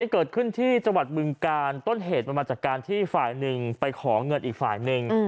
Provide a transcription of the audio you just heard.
เกิดขึ้นที่จังหวัดบึงกาลต้นเหตุมันมาจากการที่ฝ่ายหนึ่งไปขอเงินอีกฝ่ายหนึ่ง